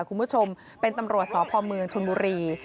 คุณผู้ชมเป็นตำรวจสพเมืองชนบุรี